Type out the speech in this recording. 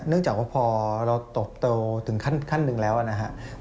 จากว่าพอเราเติบโตถึงขั้นหนึ่งแล้วนะครับ